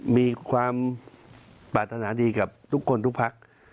มีความปรารถนาดีกับทุกคนทุกพัก